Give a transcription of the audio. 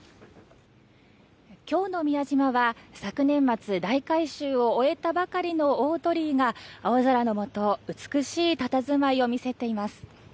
今日の宮島は昨年末大改修を終えたばかりの大鳥居が青空のもと美しいたたずまいを見せています。